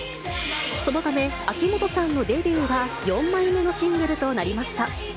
そのため秋元さんのデビューは４枚目のシングルとなりました。